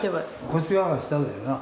こっち側が下だよな。